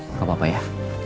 gak apa apa ya